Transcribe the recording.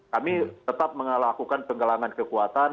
kami tetap melakukan penggalangan kekuatan